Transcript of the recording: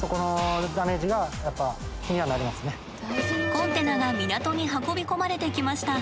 コンテナが港に運び込まれてきました。